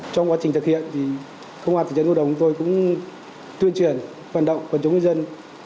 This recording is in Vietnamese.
trong quá trình thực hiện công an thị trấn ngôi đồng tôi cũng tuyên truyền vận động của chúng dân